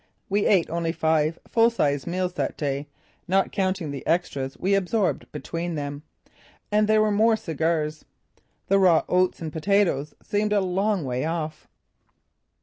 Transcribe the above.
We ate only five full sized meals that day, not counting the extras we absorbed between them. And there were more cigars. The raw oats and potatoes seemed a long way off.